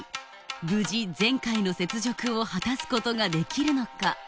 無事前回の雪辱を果たすことができるのか？